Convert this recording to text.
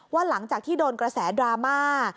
หลังจากที่โดนกระแสดราม่า